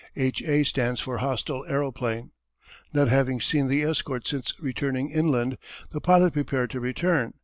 "H. A." stands for "hostile aeroplane." "Not having seen the escort since returning inland, the pilot prepared to return.